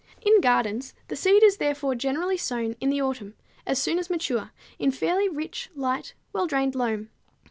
In gardens the seed is therefore generally sown in the autumn as soon as mature in fairly rich, light, well drained loam.